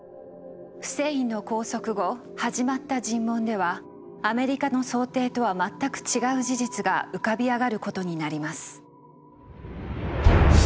フセインの拘束後始まった尋問ではアメリカの想定とは全く違う事実が浮かび上がる事になります。